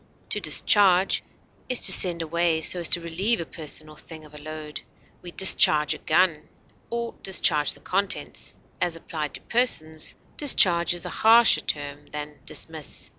To discharge is to send away so as to relieve a person or thing of a load; we discharge a gun or discharge the contents; as applied to persons, discharge is a harsher term than dismiss.